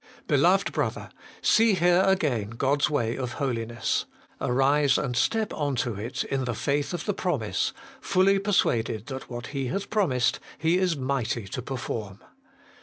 Beloved brother ! see here again God's way of holiness. Arise and step on to it in the faith of fehe promise, fully persuaded that what He hath promised He is mighty to perform.